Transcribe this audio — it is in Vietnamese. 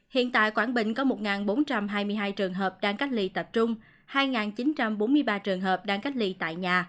hiện tại quảng bình có một bốn trăm hai mươi hai trường hợp đang cách ly tập trung hai chín trăm bốn mươi ba trường hợp đang cách ly tại nhà